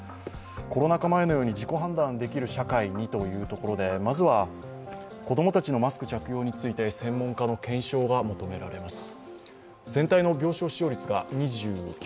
コロナ禍前のように自己判断できるような社会にということで、まずは子供たちのマスク着用について専門家の検証が求められます。